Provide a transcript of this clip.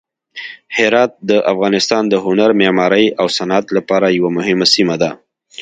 هرات د افغانستان د هنر، معمارۍ او صنعت لپاره یوه مهمه سیمه ده.